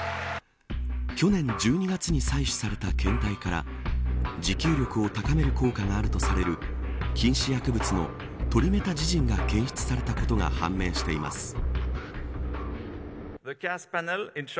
去年１２月に採取された検体から持久力を高める効果があるとされる禁止薬物のトリメタジジンが検出されたことが判明しています。